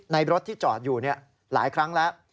รถที่จอดอยู่หลายครั้งแล้ว